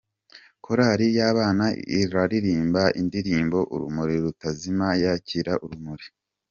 Korali y’abana irarimba indirimbo Urumuri Rutazima yakira urumuri